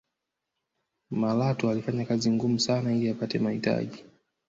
malatwa alifanya kazi ngumu sana ili apate mahitaji